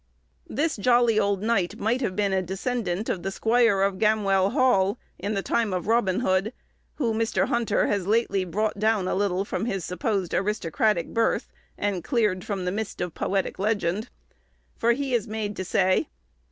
This jolly old knight might have been a descendant of the squire of Gamwell Hall, in the time of Robin Hood (who Mr. Hunter has lately brought down a little from his supposed aristocratic birth, and cleared from the mist of poetic legend)—for he is made to say